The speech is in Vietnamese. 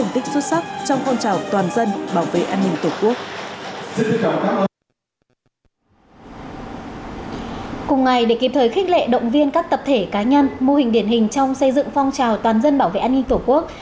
cùng ngày để kịp thời khích lệ động viên các tập thể cá nhân mô hình điển hình trong xây dựng phong trào toàn dân bảo vệ an ninh tổ quốc